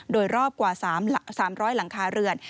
โดยรอบกว่า๓๐๐หลังคาเรือน